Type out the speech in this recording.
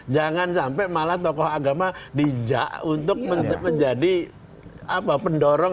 jangan sampai malah tokoh agama dijak untuk menjadi pendorong